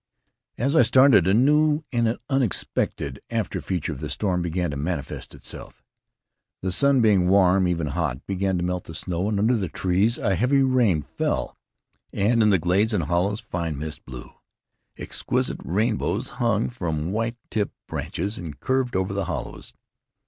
As I started, a new and unexpected after feature of the storm began to manifest itself. The sun being warm, even to melt the snow, and under the trees a heavy rain fell, and in the glades and hollows a fine mist blew. Exquisite rainbows hung from white tipped branches and curved over the hollows.